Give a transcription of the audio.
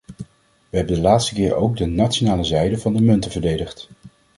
We hebben de laatste keer ook de nationale zijde van de munten verdedigd.